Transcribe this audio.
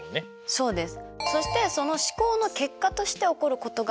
そうです。